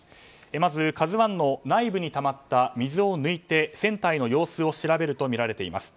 まず、「ＫＡＺＵ１」の内部にたまった水を抜いて船体の様子を調べるとみられています。